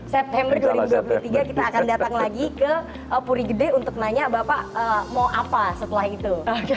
september dua ribu dua puluh tiga kita akan datang lagi ke puri gede untuk nanya bapak mau apa setelah itu